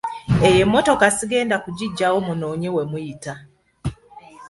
Eyo emmotoka sigenda kugiggyawo munoonye we muyita.